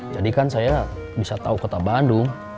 jadi kan saya bisa tau kota bandung